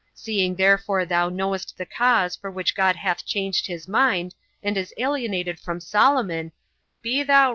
Seeing therefore thou knowest the cause for which God hath changed his mind, and is alienated from Solomon, be thou...."